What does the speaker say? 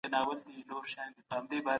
علمي څیړنې لا هم روانې دي.